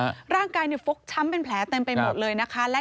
สำหรับการรักษุของคุณช่วยอายุทัลลูกมีเต็มเป็นแค่มีแผลครั้งไหล